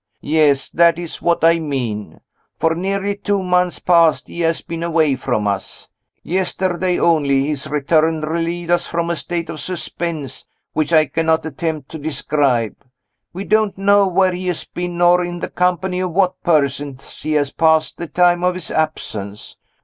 "Yes, that is what I mean. For nearly two months past he has been away from us. Yesterday only, his return relieved us from a state of suspense which I cannot attempt to describe. We don't know where he has been, or in the company of what persons he has passed the time of his absense.